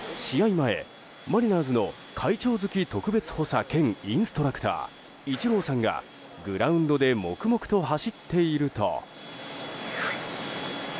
前、マリナーズの会長付特別補佐兼インストラクターイチローさんがグラウンドで黙々と走っていると。